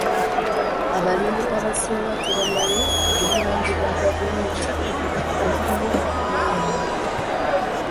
Abalimi abasinga tebamanyi ku buyambi bwa gavumenti obuliwo okubayamba.